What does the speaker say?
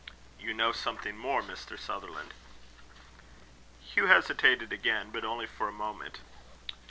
"You know something more, Mr. Sutherland." Hugh hesitated again, but only for a moment.